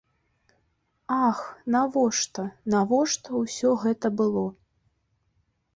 Ах, навошта, навошта ўсё гэта было?